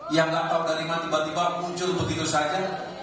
yang gantap dan ringan tiba tiba muncul begitu saja